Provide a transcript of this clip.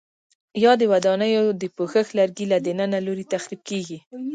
یا د ودانیو د پوښښ لرګي له دننه لوري تخریب کېږي؟